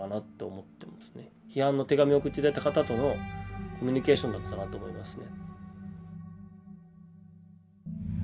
批判の手紙を送って頂いた方とのコミュニケーションだったかなと思いますね。